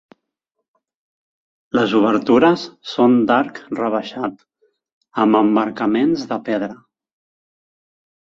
Les obertures són d'arc rebaixat amb emmarcaments de pedra.